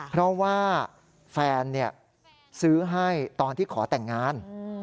เพราะว่าแฟนซื้อให้ตอนที่ขอแต่งงาน